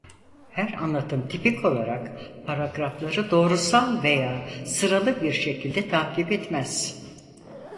Her anlatım tipik olarak paragrafları doğrusal veya sıralı bir şekilde takip etmez.